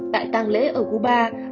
tại tang lễ ở cuba